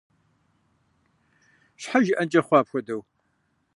Щхьэ жиӀэнкӀэ хъуа апхуэдэу?